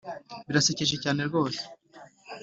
birasekeje cyane rwose